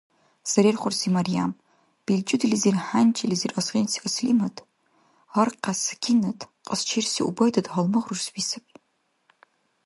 Сарерхурси Марьям, белчӏудилизир, хӏянчилизир азгъинси Аслимат, гьаркья Сакинат, кьасчерси Убайдат гьалмагъ рурсби саби.